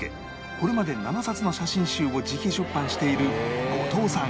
これまで７冊の写真集を自費出版している五島さん